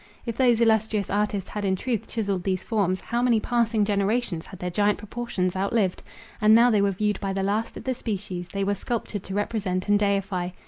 If those illustrious artists had in truth chiselled these forms, how many passing generations had their giant proportions outlived! and now they were viewed by the last of the species they were sculptured to represent and deify.